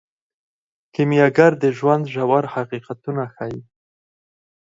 کیمیاګر د ژوند ژور حقیقتونه ښیي.